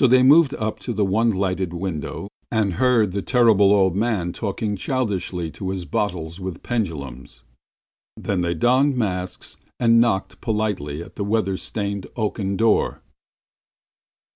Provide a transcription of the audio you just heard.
So they moved up to the one lighted window and heard the Terrible Old Man talking childishly to his bottles with pendulums. Then they donned masks and knocked politely at the weather stained oaken door.